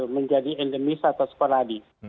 menjadi endemis atau sporadis